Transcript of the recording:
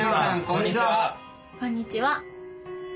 こんにちは。